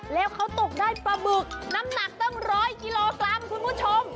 แล้วเขาตกได้ปลาบึกน้ำหนักตั้ง๑๐๐กิโลกรัมคุณผู้ชม